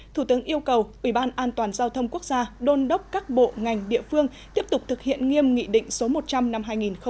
thủ tướng yêu cầu ubndgqg đôn đốc các bộ ngành địa phương tiếp tục thực hiện nghiêm nghị định số một trăm linh năm hai nghìn một mươi chín